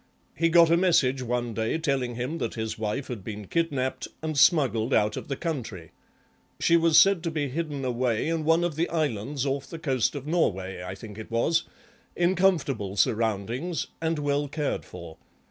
He got a message one day telling him that his wife had been kidnapped and smuggled out of the country; she was said to be hidden away, in one of the islands off the coast of Norway I think it was, in comfortable surroundings and well cared for.